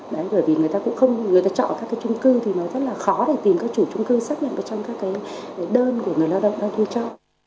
bởi vì người ta chọn các trung cư thì nó rất là khó để tìm các chủ trung cư xác nhận trong các đơn của người lao động đang thuê trọng